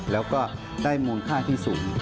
แล้วก็ได้มูลค่าที่สูง